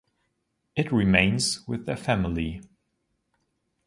It remains with their family.